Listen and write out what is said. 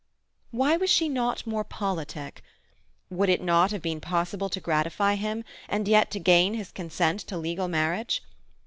Why was she not more politic? Would it not have been possible to gratify him, and yet to gain his consent to legal marriage?